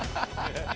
ハハハハ！